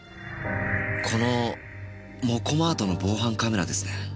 このモコマートの防犯カメラですね？